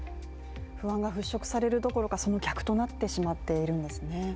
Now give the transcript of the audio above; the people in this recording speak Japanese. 不安が払拭されるどころかその逆となってしまっているんですね。